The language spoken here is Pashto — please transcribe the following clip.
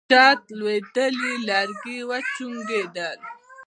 پر چت لوېدلي لرګي وچونګېدل.